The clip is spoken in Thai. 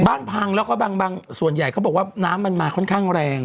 พังแล้วก็บางส่วนใหญ่เขาบอกว่าน้ำมันมาค่อนข้างแรง